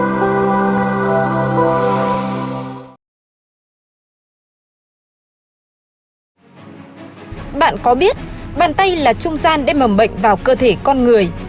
bạn có biết bàn tay là trung gian để mầm bệnh vào cơ thể con người